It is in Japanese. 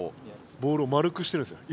ボールを丸くしてるんですよね。